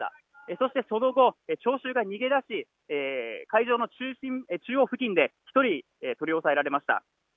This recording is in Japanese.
そしてその後、聴衆が逃げ出し会場の中央付近で１人が取り押さえられました。